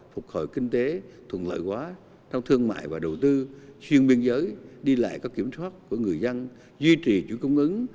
phục hồi kinh tế thuận lợi quá trong thương mại và đầu tư xuyên biên giới đi lại có kiểm soát của người dân duy trì chuỗi cung ứng